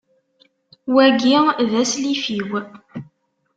Wagi, d aslif-iw.